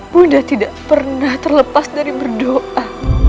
bunda tidak pernah terlepas dari berdoa